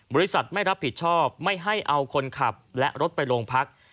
บริษัทไม่รับผิดชอบไม่ให้เอาคนขับและรถไปโรงพัก